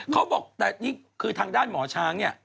เขาบอกแต่นี่คือทางด้านหมอช้างเนี่ย